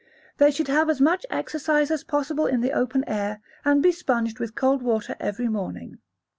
They should have as much exercise as possible in the open air, and be sponged with cold water every morning.